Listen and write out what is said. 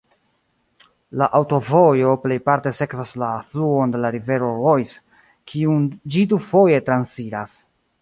La aŭtovojo plejparte sekvas la fluon de la rivero Reuss, kiun ĝi dufoje transiras.